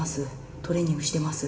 トレーニングしてます。